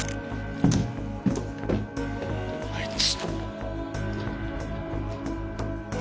あいつ！